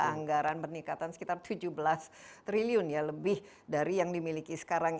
anggaran peningkatan sekitar tujuh belas triliun ya lebih dari yang dimiliki sekarang